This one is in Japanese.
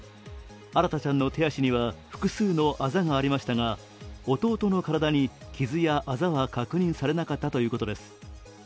新大ちゃんの手足には複数のあざがありましたが弟の体に傷やあざは確認されなかったということです。